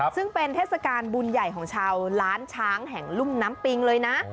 ซึ่งเป็นเทศกาลบุญใหญ่ของชาวล้านช้างแห่งลุ่มน้ำปิงเลยนะ